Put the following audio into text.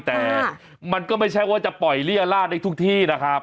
แต่มันก็ไม่ใช่ว่าจะปล่อยเรียราชได้ทุกที่นะครับ